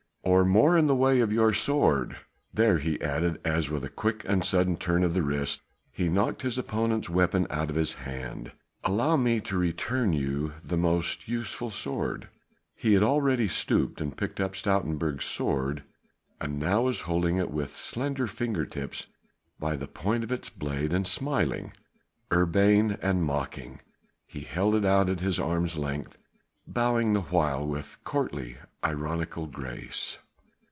or more in the way of your sword. There," he added as with a quick and sudden turn of the wrist he knocked his opponent's weapon out of his hand, "allow me to return you this most useful sword." He had already stooped and picked up Stoutenburg's sword, and now was holding it with slender finger tips by the point of its blade, and smiling, urbane and mocking, he held it out at arm's length, bowing the while with courtly, ironical grace.